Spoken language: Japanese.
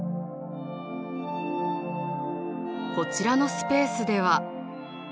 こちらのスペースでは。